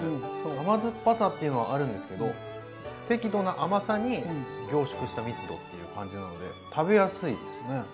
甘酸っぱさていうのはあるんですけど適度な甘さに凝縮した密度っていう感じなので食べやすいですね。